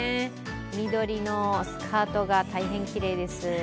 緑のスカートが大変きれいです。